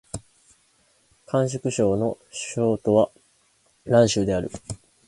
甘粛省の省都は蘭州である